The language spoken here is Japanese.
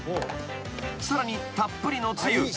［さらにたっぷりのつゆ］